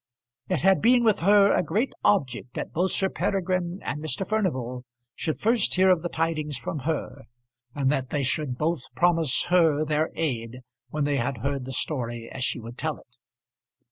It had been with her a great object that both Sir Peregrine and Mr. Furnival should first hear of the tidings from her, and that they should both promise her their aid when they had heard the story as she would tell it.